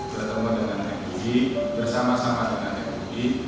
bertemu dengan mui bersama sama dengan mui